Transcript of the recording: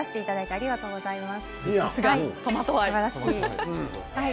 ありがとうございます。